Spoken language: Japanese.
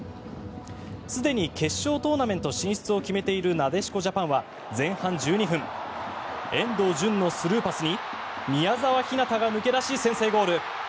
すでに決勝トーナメント進出を決めている、なでしこジャパンは前半１２分遠藤純のスルーパスに宮澤ひなたが抜け出し先制ゴール。